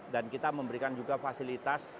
dan kita memberikan juga fasilitas